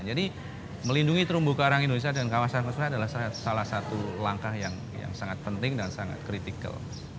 jadi melindungi terumbu karang indonesia dan kawasan konservasi adalah salah satu langkah yang sangat penting dan sangat kritikal